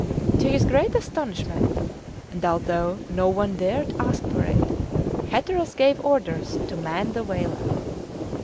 To his great astonishment, and although no one dared ask for it, Hatteras gave orders to man the whaler.